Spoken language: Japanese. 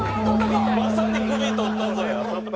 まさに「首取ったぞ」や。